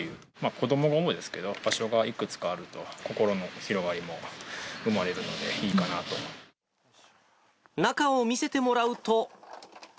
子どもがおもですけど、場所がいくつかあると、心の広がりも生ま中を見せてもらうと。